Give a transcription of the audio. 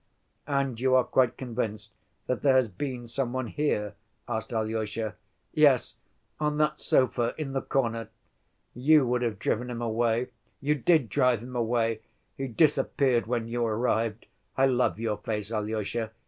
"And you are quite convinced that there has been some one here?" asked Alyosha. "Yes, on that sofa in the corner. You would have driven him away. You did drive him away: he disappeared when you arrived. I love your face, Alyosha.